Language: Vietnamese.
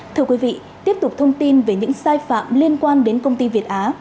thưa quý vị tiếp tục thông tin về những sai phạm liên quan đến công ty việt á